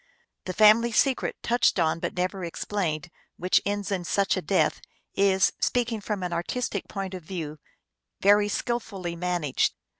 The family secret, touched on but never explained, which ends in such a death, is, speaking from an artistic point of view, very skillfully man aged.